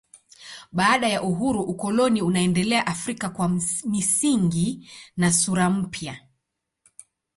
Baada ya uhuru ukoloni unaendelea Afrika kwa misingi na sura mpya.